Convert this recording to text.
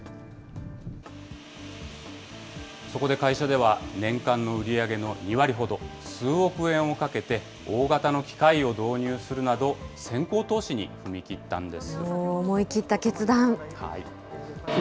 そこで会社では、年間の売り上げの２割ほど、数億円をかけて、大型の機械を導入するなど、先行投資に踏み切ったんです。